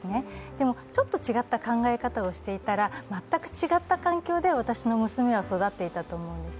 でもちょっと違った考え方をしていたら全く違った環境で、私の娘は育っていたと思うんです。